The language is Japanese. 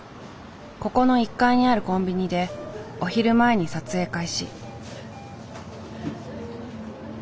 ここの１階にあるコンビニでお昼前に撮影開始。